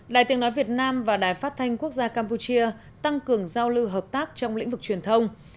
đài tiếng nói việt nam và đài phát thanh quốc gia campuchia tăng cường giao lưu hợp tác trong lĩnh vực truyền thông